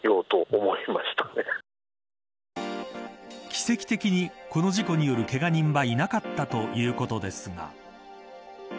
奇跡的にこの事故によるけが人はいなかったということですが。